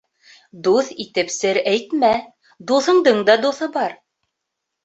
Дуҫ итеп сер әйтмә, дуҫыңдың да дуҫы бар.